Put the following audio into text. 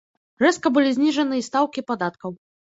Рэзка былі зніжаны і стаўкі падаткаў.